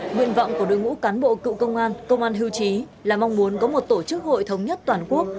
nguyện vọng của đối ngũ cán bộ cựu công an công an hưu trí là mong muốn có một tổ chức hội thống nhất toàn quốc